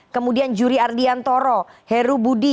kemudian juri ardian toro heru budi